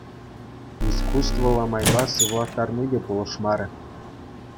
Искусствӑллӑ майпа сывлаттарни те пулӑшмарӗ.